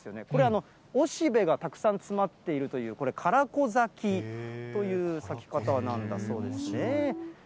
これ、雄しべがたくさん詰まっているという、唐子咲きという咲き方なんだそうですね。